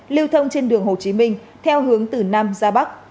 lưu thông trên đường hồ chí minh theo hướng từ nam ra bắc